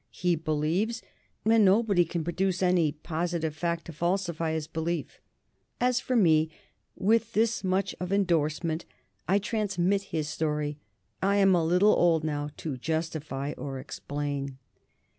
He believes and nobody can produce any positive fact to falsify his belief. As for me, with this much of endorsement, I transmit his story I am a little old now to justify or explain.